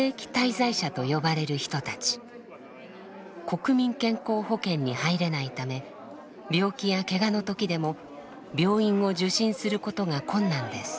国民健康保険に入れないため病気やけがの時でも病院を受診することが困難です。